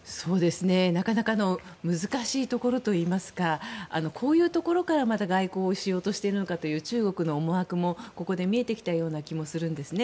なかなかの難しいところといいますかこういうところから、また外交をしようとしているのかという中国の思惑もここで見えてきたような気もするんですね。